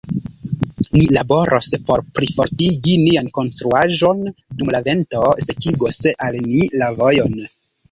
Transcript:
Ni laboros por plifortigi nian konstruaĵon, dum la vento sekigos al ni la vojon.